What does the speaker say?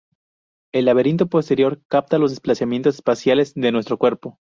El laberinto posterior capta los desplazamientos espaciales de nuestro cuerpo.